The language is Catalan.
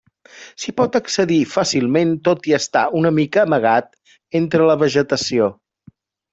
S'hi pot accedir fàcilment tot i estar una mica amagat entre la vegetació.